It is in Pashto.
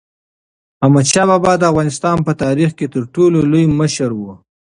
احمدشاه بابا د افغانستان په تاریخ کې تر ټولو لوی مشر و.